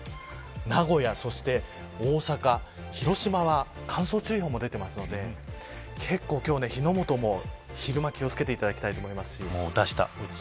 名古屋、そして大阪、広島は乾燥注意報も出ていますので火の元も昼間、気を付けていただきたいと思います。